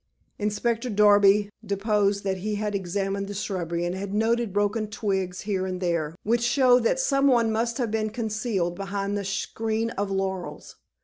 Inspector Darby deposed that he had examined the shrubbery, and had noted broken twigs here and there, which showed that some one must have been concealed behind the screen of laurels.